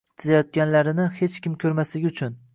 chizayotganliklarini hech kim ko‘rmasligi uchun